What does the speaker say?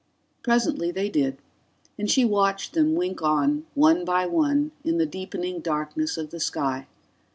Presently they did, and she watched them wink on, one by one, in the deepening darkness of the sky.